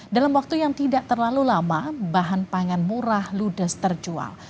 dalam waktu yang tidak terlalu lama bahan pangan murah ludes terjual